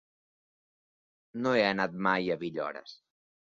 No he anat mai a Villores.